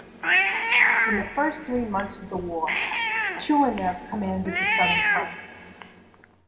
In the first three months of the war, Tyulenev commanded the Southern Front.